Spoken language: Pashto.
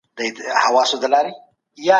کاردستي د ماشومانو د ځیرکتیا او استعداد وده کوي.